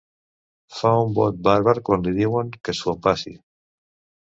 Fa un bot bàrbar quan li diuen que s'ho empassi.